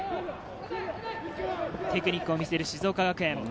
テクニックを見せる静岡学園。